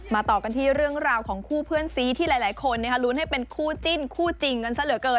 ต่อกันที่เรื่องราวของคู่เพื่อนซีที่หลายคนลุ้นให้เป็นคู่จิ้นคู่จริงกันซะเหลือเกิน